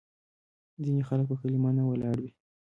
ځینې خلک په کلیمه نه ولاړ وي.